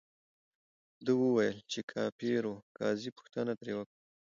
ده ویل، چې کافر ؤ. قاضي پوښتنه ترې وکړه،